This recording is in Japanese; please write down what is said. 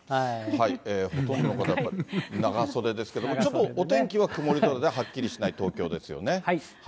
ほとんどの方はやっぱり長袖ですけど、ちょっとお天気は曇り空ではっきりしない東京ですよね。